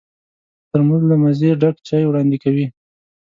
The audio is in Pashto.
ترموز له مزې ډک چای وړاندې کوي.